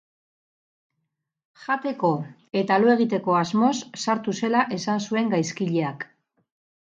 Jateko eta lo egiteko asmoz sartu zela esan zuen gaizkileak.